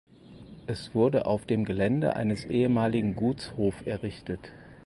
Es wurde auf dem Gelände eines ehemaligen Gutshof errichtet.